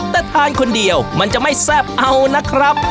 แต่ทานคนเดียวมันจะไม่แซ่บเอานะครับ